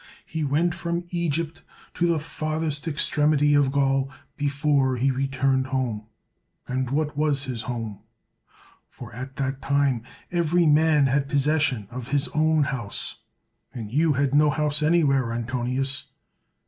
He went from Egypt to the farthest extremity of Gaul before he returned home. And what was his home? For at that time every man had posses sion of his own house; and you had no house anyivhere, Antonius.